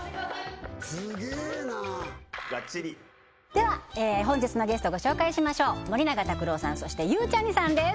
では本日のゲストご紹介しましょう森永卓郎さんそしてゆうちゃみさんです